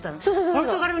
ポルトガルに？